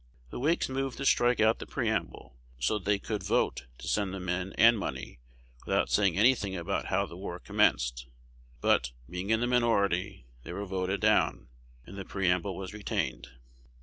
The Whigs moved to strike out the preamble, so that they could vote to send the men and money, without saying any thing about how the war commenced; but, being in the minority, they were voted down, and the preamble was retained.